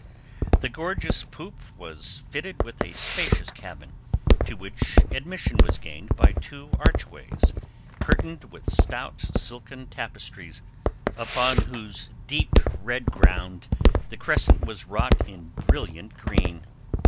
The gorgeous poop was fitted with a spacious cabin, to which admission was gained by two archways curtained with stout silken tapestries upon whose deep red ground the crescent was wrought in brilliant green.